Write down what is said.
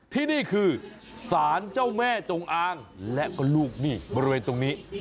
ที่นี่คือสารเจ้าแม่จงอางและก็ลูกหนี้บริเวณตรงนี้